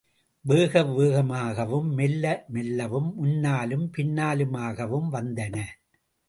வேக வேகமாகவும், மெல்ல மெல்லவும், முன்னாலும் பின்னாலுமாகவும் வந்தன.